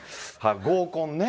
合コンね。